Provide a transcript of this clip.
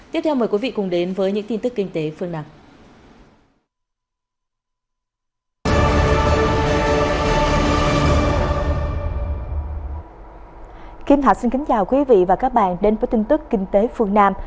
kính thưa quý vị và các bạn đến với tin tức kinh tế phương nam